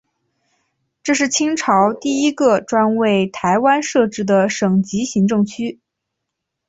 这是清朝第一个专为台湾设置的省级行政区。